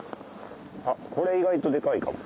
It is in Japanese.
あっこれ意外とデカいかも。